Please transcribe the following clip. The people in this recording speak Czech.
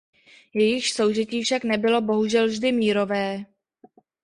Jejichž soužití však nebylo bohužel vždy mírové.